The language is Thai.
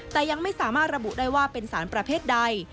แต่ยังไม่สามารถระบุได้ว่าเป็นสารประเภทใด